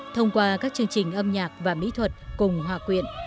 thông qua các chương trình âm nhạc và mỹ thuật cùng hòa quyện